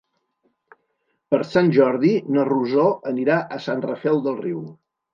Per Sant Jordi na Rosó anirà a Sant Rafel del Riu.